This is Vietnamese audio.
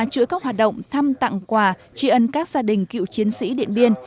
chữa các hoạt động thăm tặng quà tri ân các gia đình cựu chiến sĩ điện biên